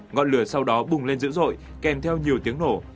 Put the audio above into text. ngọn lửa sau đó bùng lên dữ dội kèm theo nhiều tiếng nổ